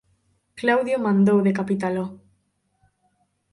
Claudio mandou decapitalo.